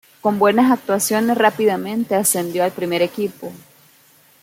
Con buenas actuaciones rápidamente ascendió al primer equipo.